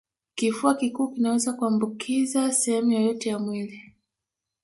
Kifua kikuu kinaweza kuambukiza sehemu yoyote ya mwili